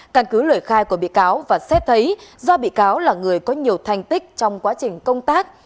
căn cứ lời khai của bị cáo và xét thấy do bị cáo là người có nhiều thành tích trong quá trình công tác